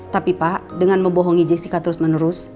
tapi pak dengan membohongi jessica terus menerus